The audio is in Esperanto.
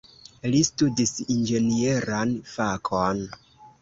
Li studis inĝenieran fakon.